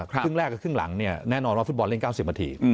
ครึ่งแรกกับครึ่งหลังเนี่ยแน่นอนว่าฟุตบอลเล่น๙๐นาที